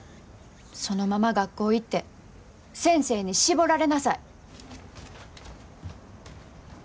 そのまま学校行って先生に絞られなさい。